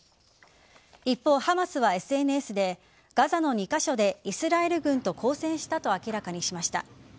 一方、ハマスはＳＮＳでガザの２カ所でイスラエル軍と交戦したと明らかにしました。